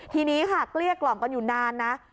ทีนี้ค่ะเกลี้ยกล่อมกันอยู่นานนะ